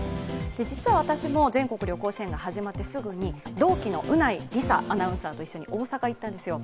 実は私も全国旅行支援が始まってすぐに、同期の宇内梨沙アナウンサーと一緒に大阪に行ったんですよ。